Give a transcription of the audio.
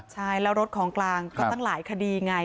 ใช่แล้วรถของกลางก็ตั้งหลายคดีไง